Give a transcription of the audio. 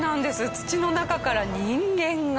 土の中から人間が。